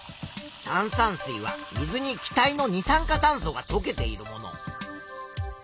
炭酸水は水に気体の二酸化炭素がとけているもの。